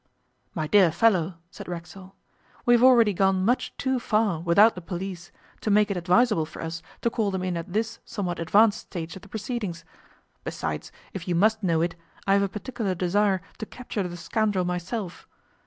'My dear fellow,' said Racksole, 'we have already gone much too far without the police to make it advisable for us to call them in at this somewhat advanced stage of the proceedings. Besides, if you must know it, I have a particular desire to capture the scoundrel myself.